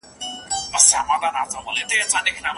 که استاد د املا کلمې په تخته ولیکي.